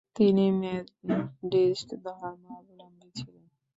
তিনি মেথডিস্ট ধর্মাবলম্বী ছিলেন।